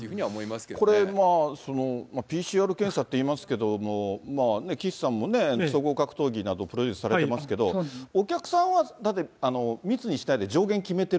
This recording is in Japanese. これまあ、ＰＣＲ検査っていいますけれども、岸さんも総合格闘技など、プロデュースされてますけど、お客さんは密にしないで、そうです。